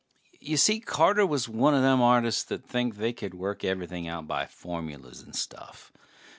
Y'see, Carter was one a them artists that think they can work everything out by formulas and stuff.